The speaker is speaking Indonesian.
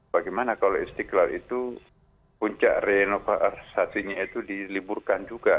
bagaimana kalau istiqlal itu puncak renovasinya itu diliburkan juga